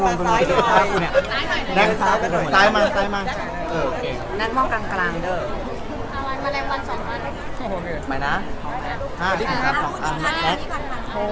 น้ำความกลางกลางเด้อ